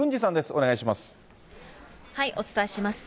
お願いします。